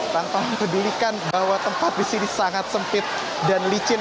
tanpa mendulikan bahwa tempat di sini sangat sempit dan licin